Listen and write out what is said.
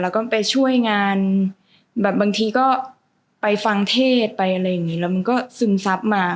แล้วก็ไปช่วยงานแบบบางทีก็ไปฟังเทศไปอะไรอย่างนี้แล้วมันก็ซึมซับมา